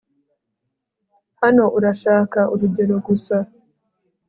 Hano Urashaka urugero gusa